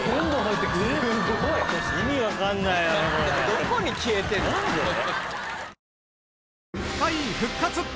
どこに消えてんだよ。